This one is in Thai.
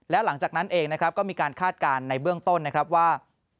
แล้วหลังจากนั้นเองนะครับก็มีการคาดการณ์ในเบื้องต้นนะครับว่า